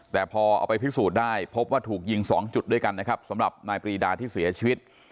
แต่พอเอาไปพิสูจน์ได้พบว่าถูกยิง๒จุดด้วยกันนะครับสำหรับนายปรีดาที่เสียชีวิต